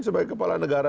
sebagai kepala negara